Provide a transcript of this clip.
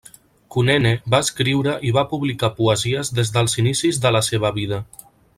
Kunene va escriure i va publicar poesies des dels inicis de la seva vida.